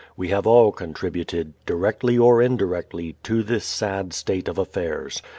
We have all contributed, directly or indirectly, to this sad state of affairs.